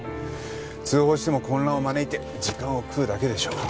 通報しても混乱を招いて時間を食うだけでしょう。